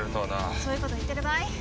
そういうこと言ってる場合？